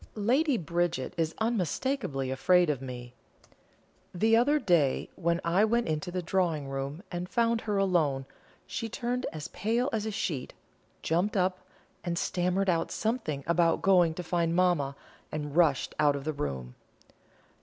Lady Bridget is unmistakably afraid of me. The other day when I went into the drawing room and found her alone, she turned as pale as a sheet, jumped up, and stammered out something about going to find mamma, and rushed out of the room.